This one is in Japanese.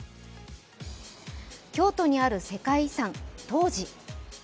京都にある世界遺産、東寺。